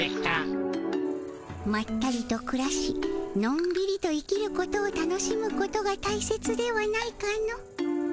まったりとくらしのんびりと生きることを楽しむことがたいせつではないかの。